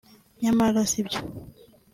nyamara si byo